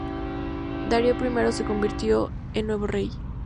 Darío I se convirtió en nuevo rey.